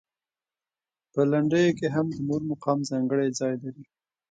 په لنډیو کې هم د مور مقام ځانګړی ځای لري.